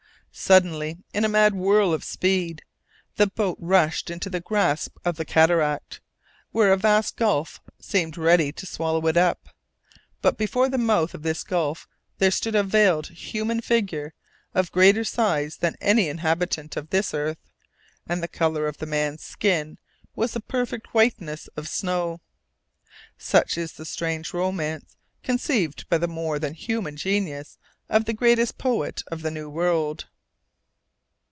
Suddenly, in a mad whirl of speed, the boat rushed into the grasp of the cataract, where a vast gulf seemed ready to swallow it up. But before the mouth of this gulf there stood a veiled human figure, of greater size than any inhabitant of this earth, and the colour of the man's skin was the perfect whiteness of snow. Such is the strange romance conceived by the more than human genius of the greatest poet of the New World.